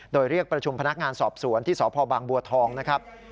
โดยเรียกประชุมพนักงานสอบสวนที่สพบางบัวทองนะครับ